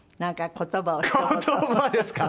言葉ですか？